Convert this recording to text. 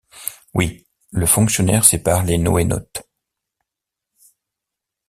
Oui: « Le fonctionnaire sépare les NoéNautes.